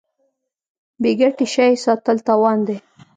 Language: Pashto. بې ګټې شی ساتل تاوان دی.